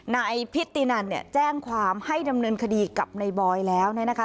นายพิธีนันเนี่ยแจ้งความให้ดำเนินคดีกับในบอยแล้วเนี่ยนะคะ